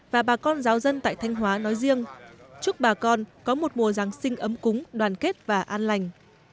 và bà con giáo dân tại thanh hóa nói riêng chúc bà con có một mùa giáng sinh ấm cúng đoàn kết và an lành